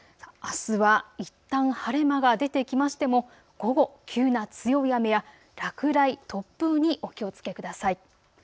あすは、いったん晴れ間が出てきましても午後、急な強い雨や落雷、突風にお気をつけください。